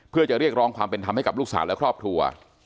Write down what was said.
เพื่อจะเรียกร้องความเป็นธรรมให้กับลูกสาวและครอบครัว